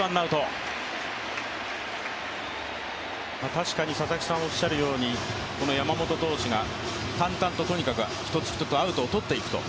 確かに佐々木さんおっしゃるように淡々ととにかく一つ一つ、アウトを取っていくと。